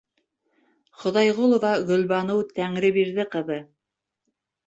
Хоҙайғолова Гөлбаныу Тәңребирҙе ҡыҙы...